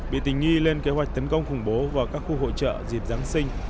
bị tình nghi lên kế hoạch tấn công khủng bố vào các khu hội trợ dịp giáng sinh